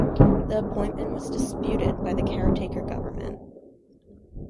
The appointment was disputed by the caretaker government.